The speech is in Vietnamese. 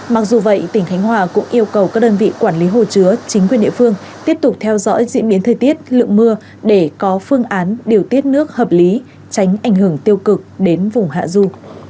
mặc dù vậy tỉnh khánh hòa cũng yêu cầu các đơn vị quản lý hồ chứa chính quyền địa phương tiếp tục theo dõi diễn biến thời tiết lượng mưa để có phương án điều tiết nước hợp lý tránh ảnh hưởng tiêu cực đến vùng hạ du